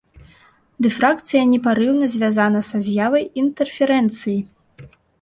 Дыфракцыя непарыўна звязана са з'явай інтэрферэнцыі.